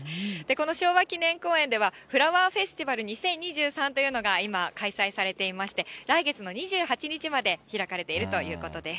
この昭和記念公園では、フラワーフェスティバル２０２３というのが今、開催されていまして、来月の２８日まで開かれているということです。